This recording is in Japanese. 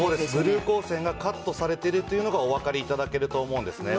ブルー光線がカットされているというのがおわかり頂けると思うんですね。